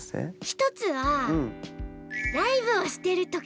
一つはライブをしてる時。